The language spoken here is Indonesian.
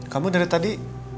kamu dari tadi